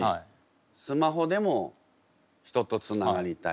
スマホでも人とつながりたい。